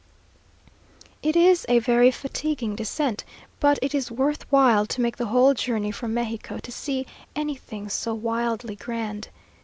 It is a very fatiguing descent, but it is worth while to make the whole journey from Mexico, to see anything so wildly grand.